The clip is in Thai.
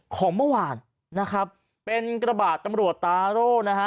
ของเมื่อวานนะครับเป็นกระบาดตำรวจตาโร่นะฮะ